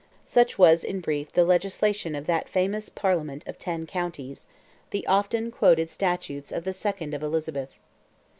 Such was, in brief, the legislation of that famous Parliament of ten counties—the often quoted statutes of the "2nd of Elizabeth."